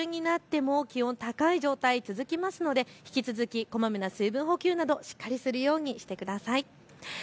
ただ８月下旬になっても気温、高い状態、続きますので引き続きこまめな水分補給などしっかりするようにしてください。